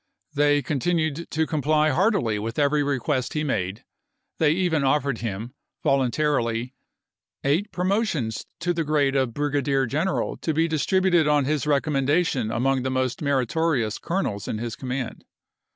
They continued to com ply heartily with every request he made; they even offered him, voluntarily, eight promotions to the grade of brigadier general to be distributed on ATLANTA 277 his recommendation among the most meritorious chap. xii. colonels of his command.